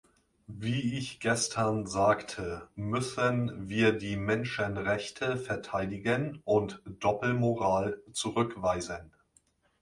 Wie ich gestern sagte, müssen wir die Menschenrechte verteidigen und Doppelmoral zurückweisen.